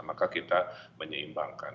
maka kita menyeimbangkan